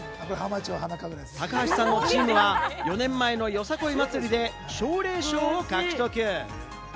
高橋さんのチームは４年前のよさこい祭りで奨励賞を獲得。